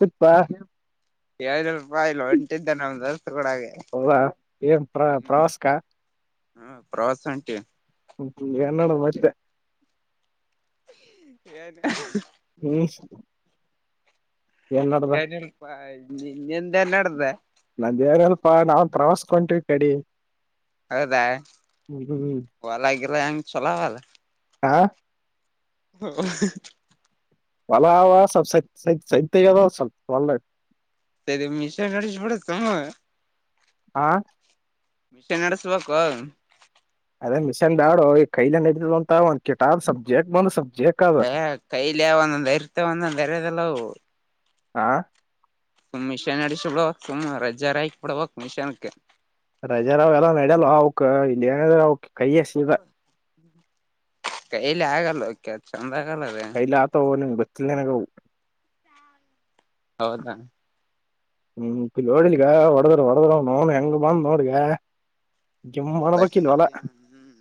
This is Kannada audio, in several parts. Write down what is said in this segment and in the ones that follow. ಸಿಪ್ಪಾ ಏಳ್ನೂರು ರೂಪಾಯಿ ಇಲ್ಲ ಹೊಂಟಿದ್ದೆ ನಮ ದರ್ಸ ಕೂಡಾಗೆ ಹೌದಾ ಏನ್ ಪ್ರ ಪ್ರವಾಸಕ ಹ್ಮ ಪ್ರವಾಸ ಅಂಟಿ ಹ್ಮ ಎನ್ನಡ ಮ [unintelligible] ಯಏನು ಹ್ಮ್ ಏನ್ ನಡ್ದ ಏನಪ್ಪ ನಿ ನಿೆಂದೆ ನಡ್ದ ನಂದೇಾರಲ್ಪಾ ನಾವನ್ ಪ್ರವಾಸಕೊಟೀವಿ ಕಡೆಡಿ ಹೌದಾ ಹ್ಮ್ ಒಲಾಗಲ್ಲಂಗ ಚಲಾವಲ್ಲ ಹಾ ಹ ಹೊಲ ಸ ಸ ಸ ಸೈತದ ಸಳ್ಳ ಸರಿ ಮಿಶ್ರ ನಡೆಸ ಬಿಡುತ್ತ ಆಾ ಮಿಷೆ ನಡೆಸ್ಬೇಕು ಅದೇ ಮಿಶನ್ ದಾಡು ಈ ಕೈಲ ನಡಿದ ಅಂತ ಒಂದು ಕಟಾಬ್ ಸಬ್ಜೆಕ್ಟ್ ಬಂದ ಏ ಕೈಲ ಒಂದ ದರತ ಒಂದ ದರದಲ್ಲ ಆಾ ಸುಮ್ ಮಿಷನ್ ಅಡಿಸ ಬಿಡ ಸುಮ್ಮ್ ರಜ ರಯಕ್ ಬಿಡಬೇಕ ಮಿಷನ್ಕ್ಕೆ ರಜ ರಾವ್ ಎಲ್ಲಾ ನಡ್ಯಲ್ಲ ಅವ್ಕ್ ಇ ಏನ್ರ ಅವಕ್ ಕೈಸದ ಕೈ ಲಯಗ ಲಕ್ಯ ಚಂದ ಆಗಲ್ಲ ಅದ ಕೈಲ್ಲಾತ ಲ ಬಸ್ಸನಗೆವು ಹೌದಾ ಹ್ಮ್ ಇ ಓಡಿಲಿಕ್ಕ ಒಡರ ಉಡದರ ನೋ ಹೆಂಗ ಮಾಂದ ನೋಡುಿಕ ಜಮ್ಮಳ ಬ ಕಲ್ ಅಲ್ಲ ಬರ್ತೀಯ ಹ್ಮ್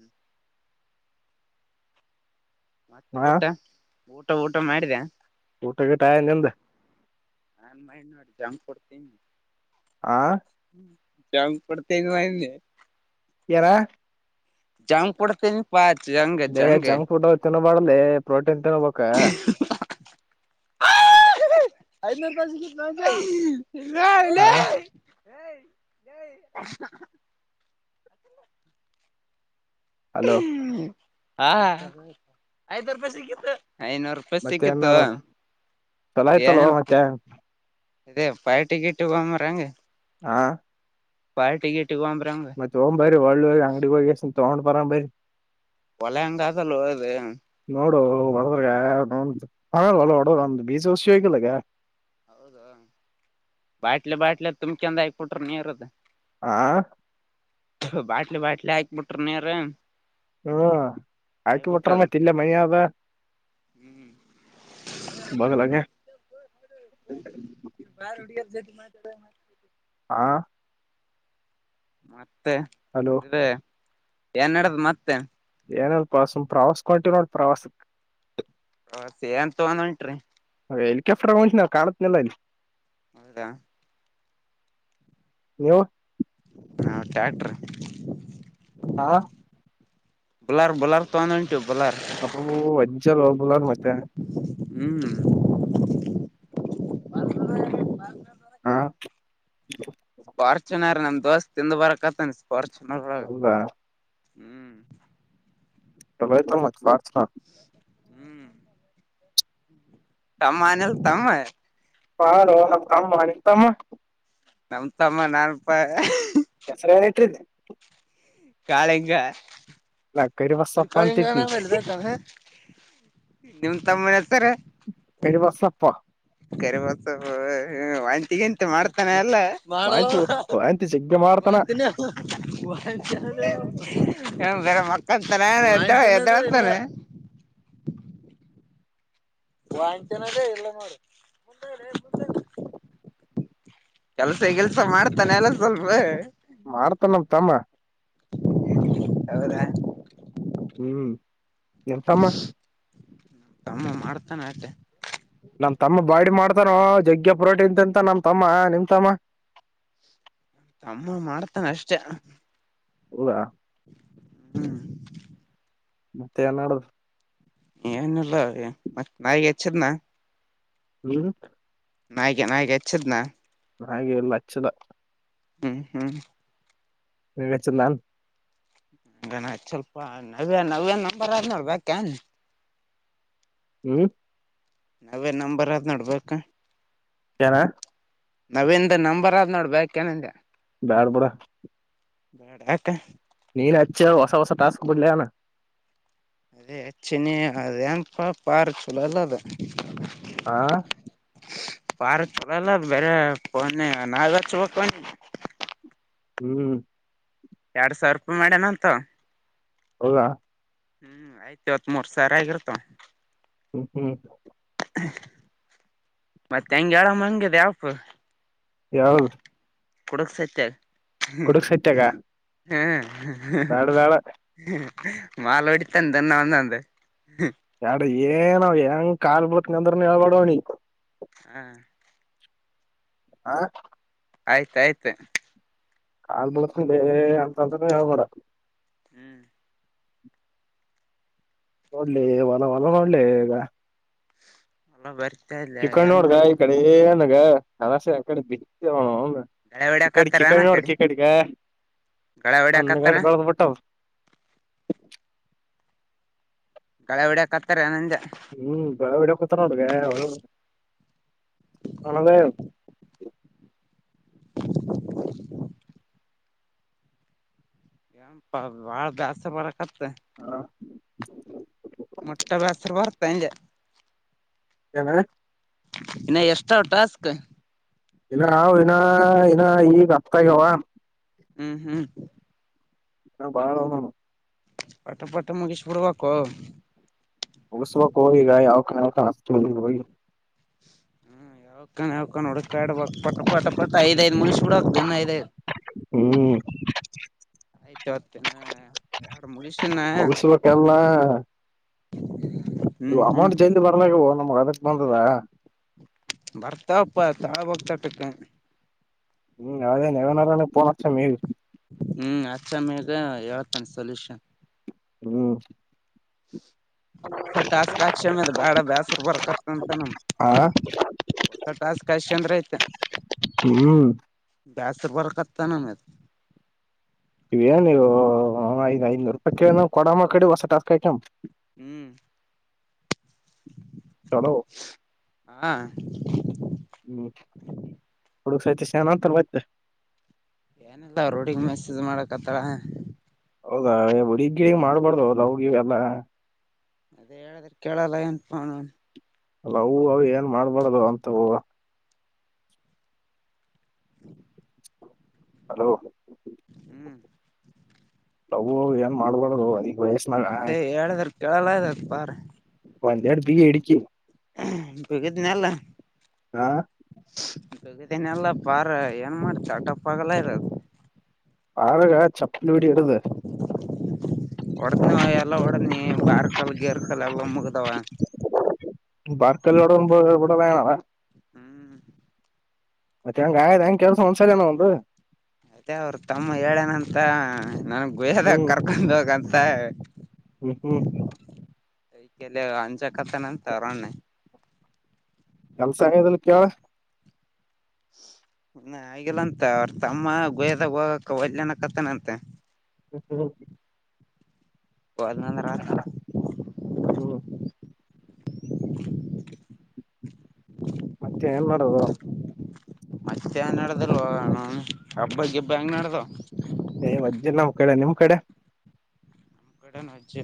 ಮತ್ತೆ ಹಾ ಊಟ ಊಟ ಊಟ ಮಾಡಿದೆ ಊಟಗಟಾಯ ನಿಂದ ಹ ಮಹನಾ ಜಂ ಕೊಡ್ತ ಆ ಹ್ಮ ಜ ಕೊಡ್ತೆ ಯಾರ ಜಾಂಪುಡ ತ ನೀ ಪಿ ದೇ ಜಂಕ್ ಫುಡ್ ತಿನ್ಬಾರಡಲಿ ಪ್ರೋಟೀನ್ ತಿನ್ಬೇಕ ಐನ ತಾಜ ನ ಹಾ ಯ ಹೇಳಯ ಹಲೋ ಹಾ ಐದ ರೂಪಾಯಿ ಸಿಕ್ಕಿತ್ತು ಐನೂರು ರೂಪಾಯಿ ಮತ್ತೆ ಏನ್ ಸಿಕ್ಕತ್ತು ನಡದ ಚಲೋ ಏನ ಆಯ್ತಲ್ವ ಮತ್ತೆ ಇೇ ಪೈಟಿಕಿಟ್ಟುಗ್್ರಗೆ ಹಾ ಪಾರಟಿಗೆಟ್ ಮತ್ತ ತಗೊ್ ಬರರಿ ಒಳ್ಳು ಹೋಗಿ ಅಂಗಡಿ ಹೋಗಿ ಎಷ್ಟ ತಗೊಂಡ್ ಬರ ಬರರಿ ಒಳಂಗಾದಲ್ಲೋದು ನೋಡು ಹೊಡದ್ರಗ ಹೊಡ ಒಂದು್ ಬೀಜ ುಷಿ ಆಗಿಲ್ಲಗ ಹೌದ ಬಾಟ್ಲೆ ಬಾಟ್ಲೆ ತುಮ ಚಂದ ಆಬಟ್ರ ನೀರುದು ಆ ಬಾಟ್ಲೆ ಬಾಟ್ಲೆ ಹಾಕ್ಬಿಟ್ರ ನೀರ... ಹ್ಮ್ ಹಾಕಿಬಟ್ರ ಮೇತಿ ಇಲ್ಲ ಮನ... ಹ್ಮ್ ಬಸಲಗೆ... ಮಾಡ್. ಹಾ... ಮತ್ತೆೇ ಹಲೋ ಏನ್ ನಡ್ದ ಮತ್ತೆ... ಏನಲ್ಪ ಸುಮ್ ಪ್ರವಾಸಕಂಟೀ ನೋಡ ಪ್ರವಾಸಕ್... ಹ ಸ ಅಂತ ಒಂದೋಂಟ್ರಿ... ಹೆಲಿಕಾಪ್ಟರ್ ಆಗಂ್ ಕಾನಲ್ಲ ಇಲ್ಲಿ... ಹೌದಾ? ನೀವು. ಹಾ ಟ್ಯಾಕ್ಟ್ರ... ಹಾ... ಬಲರ್ ಬುಲರ್ ತಾನ... ಅಪ್ಪ ವಜ ಲೋಬುಲ್ಲು ಮತ್ತೆ.... ಹ್ಮ್... ಹ [inaudible] ಹಾ [inaudible] ಸ್ಪಾರ್ಚುನರ್ ನಮ್ ದೋಸ್ ತಿಿಂದ ಬರಕತ್ತನ ಸ್ಪಾರ್ಚುನರ್ ಒಳ... ಹೌದಾ ಹ್ಮ್ [inaudible] ತೇ ತ ಮ ಪಾರ್ಸ್ [inaudible] ಹ್ಮ್ ತಮ್ಮ ಆನಲ್ಲ ತಮ್ಮ... ಹಾ ಕಮ್ಮ ಮಾಡ ನಿತಮ್ಮ... ನಮ್ ತಮ್ಮ ನಾನಪ್ಪ... ಹೆಸರ ನ ಇಟ್ಟ್ರ [inaudible] ಕಾಳೆಂಗ... ಕರಿ ಅವ್ರ ಬಸಪ್ಪ ಅಂತ ಇಟ್ನಿ ಕಳ ಬೆದ ನಿಮ್ ತಮ್ಮನ ಹತ್ತಾರೆ... ಎ ವಸಪ್ಪ [inaudible] ಕರಿಬಸ ವಂತಗಂತ ಮಾಡ್ತಾನ ಎಲ್ಲಾ... ಮಾಡಾಣಲ ವಾಂತಿ ವಾಂತಿ ಜಗ್ಗೆ ಮಾಡ್ತಾನ ವಂತನ ವ... ಹ ಬರ ಮಕ್ಕ ತನ ಎ ಎ ತನೆ [inaudible] ವಾಾಯಚನದೇ ಇಲ್ಲ ನೋಡಿ ಕುಟ... ಕೆಲ್ಸ ಕೆಲ್ಸ ಮಾಡ್ತಾನೆ ಎಲ್ಲ ಸ್ವಲ್ಪ... ಮಾಡ್ತ ನಮ ತಮ್ಮ. ಹೌದಾ! ಹ್ಮ್ ಎಂತಮ್ಮ. ಸತ್ತೆ. ನಮ ತಮ್ಮ ಬಾಡಿ ಮಾಡ್ತಾರೋ ಜಗ್ಗೆ ಪ್ರೋಟೀನ್ ತಿಂತ ನಮ ತಮ್ಮ ನಿಮ ತಮ್ಮ.... ತಮ್ಮ ಮಾಡ್ತಾನ ಅಷ್ಟೆ... ಇಲ್ಲ.. ಹ್ಮ್ [inaudible] ಮತ್ತೆ ನಾಳದು... ಏನುಲ್ಲ ಮತ್ತೆ ನಾಯಿಗೆ ಹೆಚ್ಚದನಾ.. ಹ್ಮ [inaudible] ನಾಯ್ಕ ನಾಯ್ಕ ಇಚ್ಚದನಾ... ನೆ ಎಲ್ಲ ಹಚ್ಚದ. ಹ್ಮ್ ಹ್ಮ್.... ಹ ಚಂದಾನ್... ಗಣತ್ ಸ್ವಲ್ಪ ನವ್ಯ ನವೇ ನಂಬರ್ ಆದ್ ನೋಡ್ಬೇಕನ್... ಹ್ಮ್ [inaudible] ನಾವೇ ನಂಬರ್ ಅದ್ ನೋಡ್ಬೇಕ ಯಾನ್ ನಾವಿಂದ ನಂಬರ್ ಆದ್ ನೋಡ್ ಬ್ಯಾ ಏನಿಂದ ಬ್ಯಾಡ್ ಬಡ ಬೇಡ ಅಕ ನೀನುಚ್ಚ ಹೊಸ ಹೊಸ ಟಾಸ್ಕ್ ಕೊಡ್ಲಾನ ಅೇ ಹೆ ಚನ ಅಏನ್ಪ್ಪಾ ಪಾರ್ ಚಲಲ್ಲದ ಆ ಪಾರ ಚಳಲ್ಲ ಬರೆ ಪಣೆ ನಾಾ ಚು ಹ್ಮ್ ಎರಡ್ ಸಾವಿರ ರೂಪಾಯಿ ಮಾಡಣ ಅಂತ ಹೌದಾ ಹ್ಮ್ ಆಯ್ತು ಇವತ್ ಮೂರ್ ಸಾವಿರಾ ಆಗರ್ತ ಹ್ಮ್ ಹ್ಮ್ ಮತ್ತೆ ಹೆಂಗಗೆಯಾಡಾಮ ಹಂಗದ ಯಪ್ಪು ಯಾವದು [unintelligible] ಕೊಡುಕ್ ಸತ್ಯಾಗ ಹ್ಮ ಬ್ಯಾಡ ಬ್ಯಾಡ ಮಾಳವಡಿತಾನ ದಿನವೊಂದು ಎಡ ಏನಾವ್ ಹೆಂಗ ಕಾಲ್ ಬಿಳಕ್ನಂದ್ರನ ಹೇಳ್ಬಾಡವ್ನಿ ಹ್ಮ ಹಾ ಆಯ್ತಾಯ್ತು [unintelligible] ಹ್ಮ್ ನಡ್ಲಿ ಹೊಲ ಹೊಲ ನಡ್ಲಿ ಈಗ ಎಲ್ಲ ಬಾರಿ ಚಿಕ್ಕಣ ನೋಡ್ಗ ಈ ಕಡೆ ಏನಗಸಕಡೆ ಬಿ ಗಳೆ ಹೊಡ್ಯಾಕತ್ತಾರ ಏನ ಕಡೆ ಗಳೆ ಹೊಡ್ಯಾಕತ್ತಾರ [unintelligible] ಗಳೆ ಹೊಡಕ ಹತ್ತಾರೆ ಅನಂದ ಹ್ಮ್ [unintelligible] ಹಣದ ಪ ಬಾಳ ಜಾಸ್ತಿ ಬರಕತ್ತೆ ಹೌ ಬರ್ತ ಅಂದೆ ಏನ ಇನ್ನು ಎಷ್ಟ್ರ ಟಾಸ್ಕ್ ಇನ್ನ ನಾವ ಇನ್ನ ಇನ್ನ ಈಗ ಹತ್ತಗೆವ ಹ್ಮ್ ಹ್ಮ್ ಬಾಳ ತೋಣ ಕಷ್ಟ ಪಟ್ಟ ಮುಗಿಸಬಿಡ್ಬೇಕಕು [unintelligible] ಅವಕ ಹ್ಮ್ ಯಾವ ಕ ನೋಡ ಕಡಬ ಪಟ್ಟ ಪಟ ಪಟ್ ಐದ್ ಐದು ಮನುಷ ಹೂಡಕ್ತದೆ ಐದಐದು [inaudible] ಎರಡ್ ಮುಗಿಸಿನ [unintelligible] ಇ ಹ್ಮ್ ಹ್ಮ್ ಅಮೌಂಟ್ ಜೈದ ಬರ್ಲಾಗವು ನಮ್ ಅದಕ್ ಬಂದದ ಬರ್ತಾವಪ್ಪಾ ತಾಳ ಬೋಗತಾಟಕ್ಕೆ ಹ್ಮ್ ಯಾವದೇನೆನಾರ ಹ್ಮ್ ಅಚ್ಚ ಮ್ಯಾಗ ಯಾವತಾನ ಸೊಲ್ಯೂಷನ್ ಹ್ಮ ಹೊಸ ಟಾಸ್ಕ್ ಹಾಕ್ಷಷಮ್ಯ ಅದ ಬೇಡ ಬೇಸರ್ ಬರ್ಕತ್ತಂತ ನಮ ಆ ಹೊಸ ಟಾಸ್ಕ್ ಅಷ್ಟ ಚಂದ್ರ ಐತೆ ಹ್ಮ್ ಜಾಸ್ತಿ ಬರಕತ್ತ ನಮ್ಮ ಇವ ನೀವು ಐದ್ ಐನೂರು ರೂಪಾಯಿ ಕೇಳ ನ್ ಕೊಡಮ್ಮ ಕಡೆ ಹೊಸ ಟಸ್ಕಾಯಕಮ್ಮ ಹ್ಮ್ ಚಲೋ ಹಾ [unintelligible] ಏನ್ ಹೇಳುತ್ತಾನೆ ಮತ್ತೆ ಏನಿಲ್ಲ ಅವರ್ ಹುಡುಗಿ ಮೆಸೇಜ್ ಮಾಡಕ್ತ್ತಳ ಹೌದಾ ಹುಡುಗಿ ಮಾಡ್ಬಾರ್ದು ಲವ್ ಗಿವ್ ಎಲ್ಲ ಅದೇ ಹೇಳಿದ್ರೆ ಕೇಳಲಾಗಿನ್ ಅವನ್ನವ್ ಅಲ್ಲ ಹ ಅ ಏನ್ ಮಾಡ್ಬಾರ್ದ ಅಂತ ಹೂ ಹ ಹಲೋ ಹ್ಮ್ ನಾವು ಏನ್ ಮಾಡ್ಬಾರದು ಅದಗ್ ವಯಸ್ನಾಗ ಅದೇ ಹೇಳಿದ್ರ ಕೇಳಲ್ಲ ಆ್ತ ಬಾರ ಒಂದೆರಡು ಬೀಗ ಇಡಕ್ಕಿ ಗದನಲ್ಲ ಹಾ ಗಗದಿನ ಎಲ್ಲ ಬಾರ ಏನ್ ಮಾಡ್ತಟಪ್ಪಾಗಲ್ಲ ಇರದು ಆಳಗ ಚಪ್ಪಲ್ ವೀಡಿ ಇಡದೆ ಹೊಡತನವ ಎಲ್ಲ ಹೊಡನಿ ಬಾರ್ಕಲ್ ಗೇರ್ಕಲ್ ಎಲ್ಲ ಮುಗ್ದಾವ ಹ ಕಲ್ಲೋಡ ಮು ಇಡೆಡೇಣ ಹ್ಮ್ ಮತ್ತೆ ಹೆಂಗಾಯಂಗೆ ಕೆಲಸ ಸಂಸಾರನ ಒಂದು ಅಯ್ತ ಅವ್ರ ತಮ್ಮ ಹೇಳೇನಂತ ನನ್ಗ್ ಗುಯ್ಯದಾಗ ಹ್ಮ್ ಕರ್ಕೊಂಡ್ ಹೋಗಂತ ಹ್ಮ್ ಹ್ಮ್ ಕೈಕಲ್ಲಿ ಅಂಜಕ್ಕ ತನ ತರೋಣ್ಣೆ ಕೆಲ್ಸ ಹಂಗದಲ್ ಕಾವ ಆಲ್ಲಂತ ಅವ್ರ ತಮ್ಮ ಗೊಯದಾಗ ಹೋಗಕ ಒಲ್ನ ಕತಾನ ಅಂತೆ ಎ ಬಂದ ಹ್ಮ್ [inaudible] [unintelligible] ಮತ್ತೇಏನ್ ಮಾಡವ ಮತ್ತೆ ನಡದಲ್ ಹಬ್ಬ ಹಬ್ಬ ಹೆಂಗ ನಡ್ದ ಏ್ ಮಜ್ಜೆ ನಮ್ಮ್ ಕಡೆ ನಿಮ್ ಕಡೆ ಮು ಕಡೆಜೆ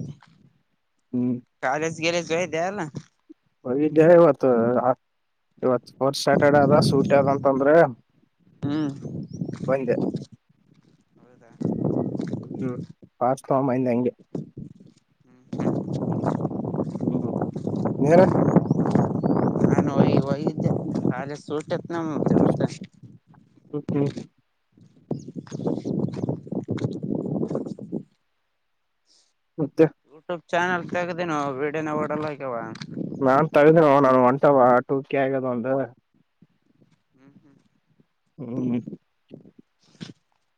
ಹ್ಮ್ ಕಾಲಜ ಗಲ್ಲ ಜಯ ದ ಹೋಗ ಇವತ್ತು ಇವತ್ ಫೋರ್ಟ್ ಸ್ಯಾಟರ್ಡೆ ಅದ ಸೂಟ್ ಅದ ಅಂತಂದ್ರೆ ಹ್ಮ್ ಒಂದ ಹೌದಾ ಹ್ಮ್ ಪಾರ್ಸ್ತ ಆಯಂದ ಹೆಂಗೆ ಹ್ಮ್ ನೇರ ಅೆ ಸೂಟ್ತ್ ನ ಜತ ಹ್ಮ ಹಾ ಮತ್ತೆ ಯೂಟ್ಯೂಬ್ ಚಾನಲ್ ತೆಗ್ದನು ವಿಡಿಯೋನ ಓಡಲ್ಲ ಆಗ್ಯವ ನಾನ್ ತಿದ ನಾನ ಒಂಟಟೂರ್ ಕ ಆಗದ ಒಂದು ಹ್ಮ್ ಹ್ಮ್ ಹ್ಮ [inaudible] [unintelligible]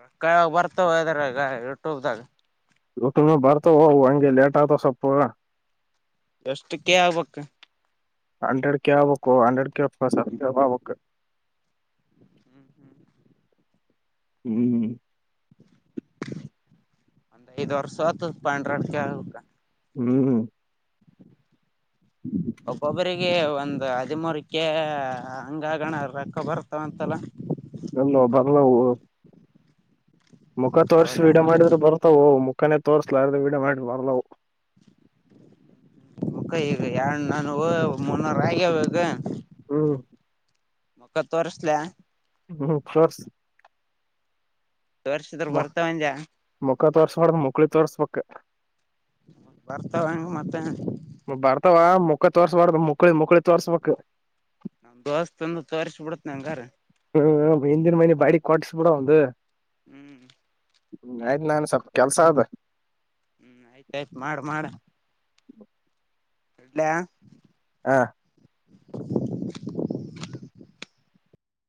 ರೊಕ್ಕ ಯಾವಾಗ ಬರ್ತಾವ ಇದ್ರಾಗ ಯೂಟ್ಯೂಬ ದಾಗ ಯೂಟ್ಯೂಬ್ ದಾಗ ಬರ್ತಾವೋ ಅವು ಹಂಗೆ ಲೇಟ್ ಆತವ ಹಂಗೆ ಸ್ವಲ್ಪ ಎಷ್ಟ ಕೆ ಆಗ್ಬೇಕ್ ಹಂಡ್ರೆಡ್ ಕೆ ಆಗಬೇಕೋ ಹಂಡ್ರೆಡ್ ಕೆ ಪ್ಲಸ್ ಹಂಡ್ರೆಡ್ ಆಬೇಕು [inaudible] ಹ್ಮ್ [unintelligible] ಕೆ ಆಬೇಕು ಹ್ಮ್ ಹ್ಮ್ ಒಬ್ಬೊಬ್ಬರಿಗೆ ಒಂದ್ ಹದಿಮೂರಕೆ ಹಂಗಗಣ ರೊಕ್ಕ ಬರ್ತಾವಂತಲ್ಲ ಇಲ್ಲೋ ಬರ್ಲವು ಮುಖ ತೋರ್ಸಿ ಹೌದಾ ವಿಡಿಯೋ ಮಾಡಿದ್ರ ಬರ್ತವು ಮುಖನೇ ತೋರ್ಸ್ಲಾರ್ರ ವಿಡಿಯೋ ಮಾಡ್ರ ಬರ್ಲವು ಮುಕ್ಕ ಈಗ ಯಾರ್ ನನ್ನುವ್ ಮುನ್ನೂರ ಅಗ್ಯವೀಗ ಹ್ಮ್ ಮಕ್ಕ ತೋರಿಸ್ಲ್ಯ ಹ್ಮ್ ತೋರ್ಸ್ ತೋರ್ಸದ್ರ ಬರ್ತಅಂದ್ಯ ಮುಕ್ಕ ತೋರ್ಸಬರ್ದು ಮುಕ್ಳಿ ತೋರ್ಸ್ಬಕ್ ಬರ್ತಾವಂಗ ಮತ್ತೆ ಬರ್ತಾವ ಮುಕ್ಕ ತೋರ್ಸ್ಬಾರ್ದ ಮುಕ್ಕಳಿ ಮುಕಳಿ ತೋರ್ಸ್ಬೇಕ ನಮ್ ದೋಸ್ಟಂದು ತೋರಿಸ್ ಬುಡುತಿನಿ ಹೆಂಗಾರೆ ಹ್ಮ್ ಹಿಂದಿನ ಮನಿ ಬಾಡಿಗ್ ಕೊಟ್ಸ ಬಿಡು ಒಂದು ಹ್ಮ್ ಹ್ಮ ಆಯ್ತು ನನ್ನುವ್ ಸ್ವಲ್ ಕೆಲ್ಸ ಆದ ಹ್ಮ್ ಆಯ್ತಾಯ್ತ ಮಾಡ ಮಾಡ [inaudible] ಇಡ್ಲಾ ಹಾ [inaudible]